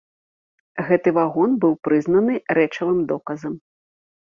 Гэты вагон быў прызнаны рэчавым доказам.